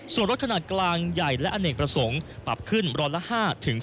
ส่วนรถขนาดกลางใหญ่และอเนกประสงค์ปรับขึ้นร้อยละ๕๒